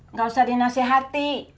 nggak usah dinasehati